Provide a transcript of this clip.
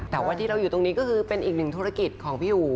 แต่ว่าที่เราอยู่ตรงนี้ก็คือเป็นอีกหนึ่งธุรกิจของพี่อู๋